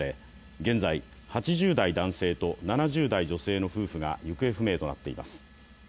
現在、８０代男性と７０代女性の夫婦が行方不明となっています。